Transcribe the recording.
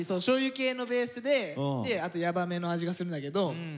しょうゆ系のベースでであとヤバめの味がするんだけど。